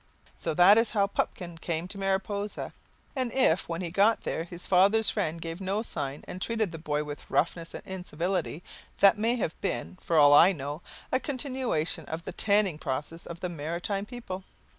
So that is how Pupkin came to Mariposa. And if, when he got there, his father's friend gave no sign, and treated the boy with roughness and incivility, that may have been, for all I know, a continuation of the "tanning" process of the Maritime people.